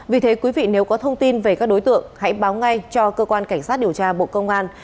vì thế quý vị nếu có thông tin về các đối tượng hãy báo ngay cho cơ quan cảnh sát điều tra bộ công an